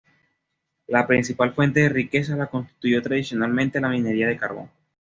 La principal fuente de riqueza la constituyó tradicionalmente la minería de carbón.